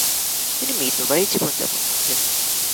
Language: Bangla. তিনি মিতব্যয়ী জীবন যাপন করতেন।